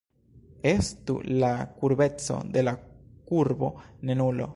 Estu la kurbeco de la kurbo ne nulo.